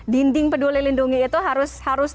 dinding peduli lindungi itu harus